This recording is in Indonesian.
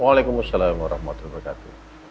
wa'alaikumussalam warahmatullahi wabarakatuh